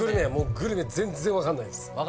グルメ全然分かんないです。